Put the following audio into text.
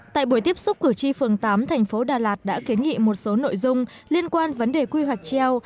tại buổi tiếp xúc cử tri phường tám thành phố đà lạt đã kiến nghị một số nội dung liên quan vấn đề quy hoạch treo